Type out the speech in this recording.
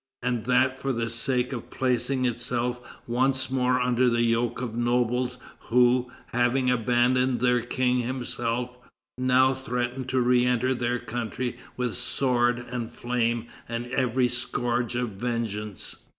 and that for the sake of placing itself once more under the yoke of nobles who, having abandoned their King himself, now threatened to re enter their country with sword and flame and every scourge of vengeance?"